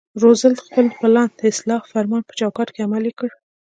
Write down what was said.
روزولټ خپل پلان د اصلاح فرمان په چوکاټ کې عملي کړ.